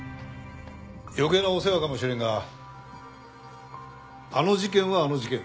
余計なお世話かもしれんがあの事件はあの事件